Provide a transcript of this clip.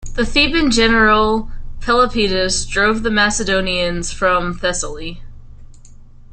The Theban general Pelopidas drove the Macedonians from Thessaly.